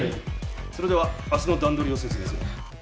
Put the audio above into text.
それでは明日の段取りを説明する。